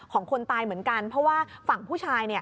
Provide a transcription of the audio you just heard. คนตายเหมือนกันเพราะว่าฝั่งผู้ชาย